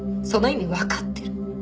その意味わかってる？